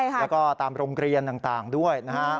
แล้วก็ตามโรงเรียนต่างด้วยนะครับ